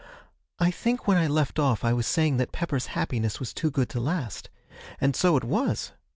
'I think when I left off I was saying that Pepper's happiness was too good to last. And so it was.